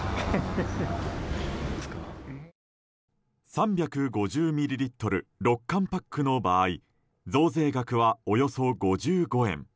３５０ミリリットル６缶パックの場合増税額は、およそ５５円。